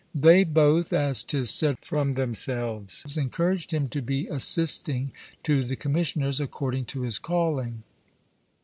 They both (as 'tis said from themselves) encouraged him to be assisting to the Commissioners, according to his calling.